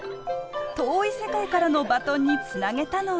遠い世界からのバトンにつなげたのは。